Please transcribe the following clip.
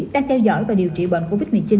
đang theo dõi và điều trị bệnh covid một mươi chín